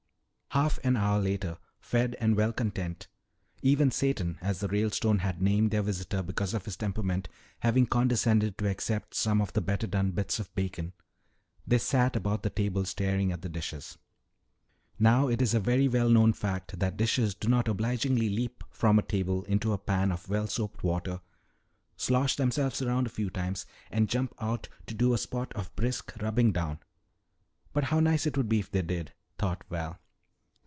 Half an hour later, fed and well content (even Satan, as the Ralestones had named their visitor because of his temperament, having condescended to accept some of the better done bits of bacon), they sat about the table staring at the dishes. Now it is a very well known fact that dishes do not obligingly leap from a table into a pan of well soaped water, slosh themselves around a few times, and jump out to do a spot of brisk rubbing down. But how nice it would be if they did, thought Val.